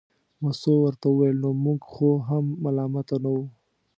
مستو ورته وویل نو موږ خو هم ملامته نه وو.